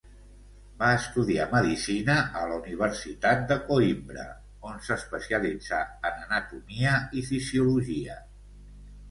Va estudiar medicina a la Universitat de Coïmbra, on s'especialitzà en anatomia i fisiologia.